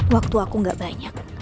waktu aku gak banyak